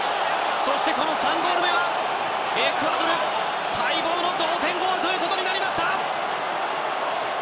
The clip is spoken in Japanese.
そしてこの３ゴール目はエクアドル待望の同点ゴールとなりました！